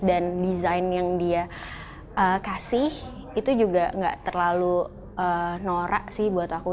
dan desain yang dia kasih itu juga gak terlalu norak sih buat aku